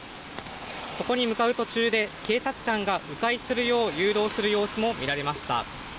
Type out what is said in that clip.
ここに向かう途中で警察官がう回するよう誘導する様子も見られました。